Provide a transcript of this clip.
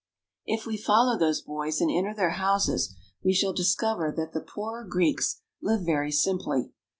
If we follow those boys and enter their houses, we shall discover that the poorer Greeks live very simply.